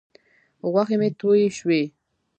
غوښې مې تویې شوې.